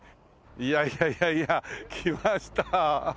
いやいやいやいや来ました。